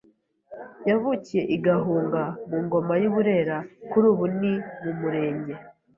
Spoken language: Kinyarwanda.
yavukiye I Gahunga mu Ngoma y’u Burera kuri ubu ni mu Murenge